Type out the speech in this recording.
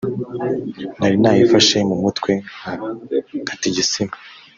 nari nayifashe mu mutwe nka Gatisimu